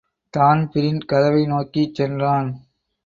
Dan Breen கதவை நோக்கிச் சென்றான்.